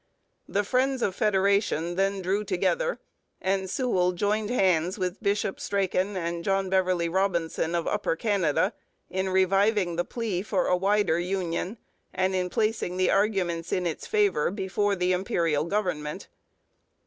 The friends of federation then drew together, and Sewell joined hands with Bishop Strachan and John Beverley Robinson of Upper Canada in reviving the plea for a wider union and in placing the arguments in its favour before the Imperial government.